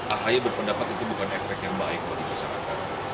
ahaya berpendapat itu bukan efek yang baik bagi masyarakat